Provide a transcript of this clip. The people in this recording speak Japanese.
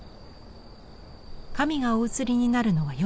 神がお移りになるのは夜。